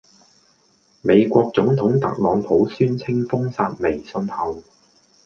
美國總統特朗普宣稱封殺微信後